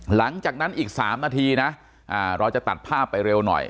หลังจากนั้นอีก๓นาทีนะเราจะตัดภาพไปเร็วหน่อย